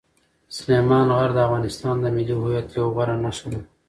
سلیمان غر د افغانستان د ملي هویت یوه غوره نښه ده.